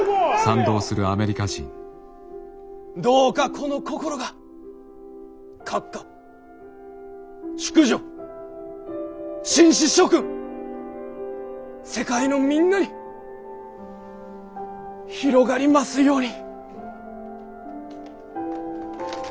どうかこの心が閣下淑女紳士諸君世界のみんなに広がりますように。